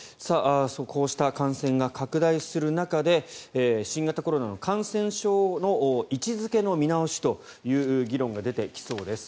感染が拡大する中で新型コロナの感染症の位置付けの見直しという議論が出てきそうです。